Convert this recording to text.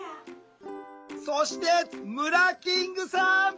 そしてムラキングさん！